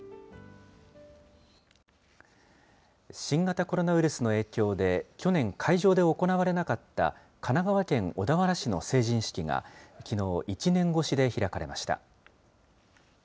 新型コロナウイルスの影響で、去年会場で行われなかった神奈川県小田原市の成人式が、きのう、１年越しで開かれました。